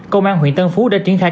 công an huyện tân phú đã triển khai